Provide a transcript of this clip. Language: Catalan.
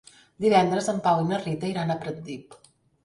Divendres en Pau i na Rita iran a Pratdip.